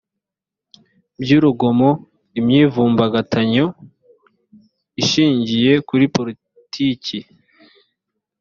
by urugomo imyivumbagatanyo ishingiye kuri politiki